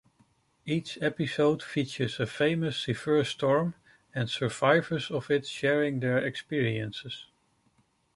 Each episode features a famous severe storm, and survivors of it sharing their experiences.